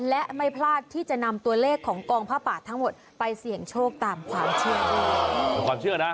และไม่พลาดที่จะนำตัวเลขของกองผ้าป่าทั้งหมดไปเสี่ยงโชคตามความเชื่อเป็นความเชื่อนะ